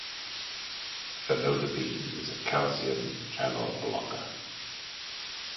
Felodipine is a calcium channel blocker.